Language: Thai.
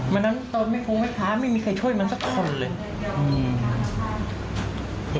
เมื่อนั้นไม่มีใครช่วยมันสักคนเลย